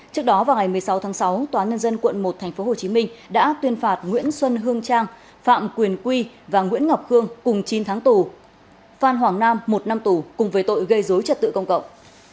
trước đó vào ngày một mươi sáu tháng sáu tòa nhân dân quận một tp hcm đã tuyên phạt nguyễn xuân hương trang phạm quyền quy và nguyễn ngọc khương cùng chín tháng tù phan hoàng nam một năm tù cùng với tội gây dối trật tự công cộng